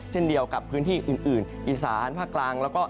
เช่นเดียวกับพื้นที่อื่นอีสานภาคกลางแล้วก็